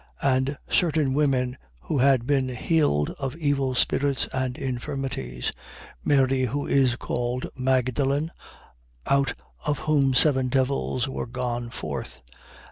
And certain women who had been healed of evil spirits and infirmities: Mary who is called Magdalen, out of whom seven devils were gone forth, 8:3.